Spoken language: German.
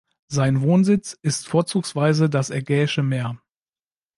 Sein Wohnsitz ist vorzugsweise das Ägäische Meer.